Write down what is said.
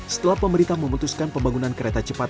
setelah pemerintah memutuskan pembangunan kereta cepat